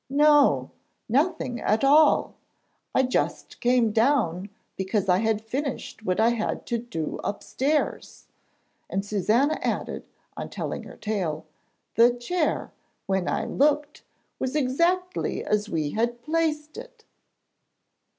'No; nothing at all. I just came down because I had finished what I had to do upstairs!' And Susannah added, on telling her tale, 'the chair, when I looked, was exactly as we had placed it.'